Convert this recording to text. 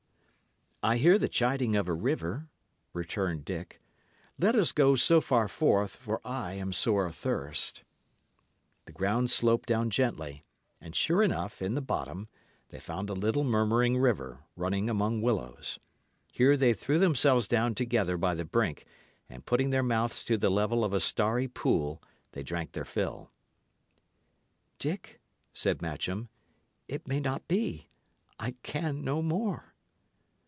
"I hear the chiding of a river," returned Dick. "Let us go so far forth, for I am sore athirst." The ground sloped down gently; and, sure enough, in the bottom, they found a little murmuring river, running among willows. Here they threw themselves down together by the brink; and putting their mouths to the level of a starry pool, they drank their fill. "Dick," said Matcham, "it may not be. I can no more."